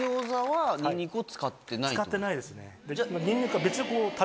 使ってないですね。